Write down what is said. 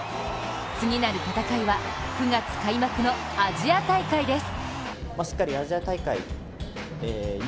次なる戦いは９月開幕のアジア大会です。